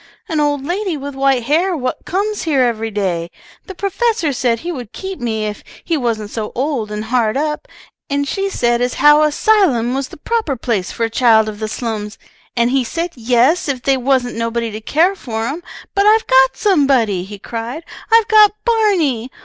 "An old lady with white hair what comes here every day. The professor said he would keep me if he wasn't so old and hard up, and she said as how a 'sylum was the proper place for a child of the slums, and he said yes if they wasn't nobody to care for 'em. But I've got somebody!" he cried. "I've got Barney!